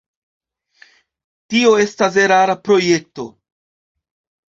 Tio estas erara projekto.